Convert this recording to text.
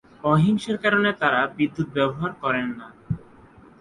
অহিংসার কারণে তারা বিদ্যুৎ ব্যবহার করেন না।